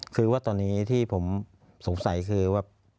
คือว่าตอนนี้ที่ผมสงสัยคือว่า